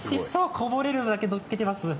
こぼれるだけのっけてます。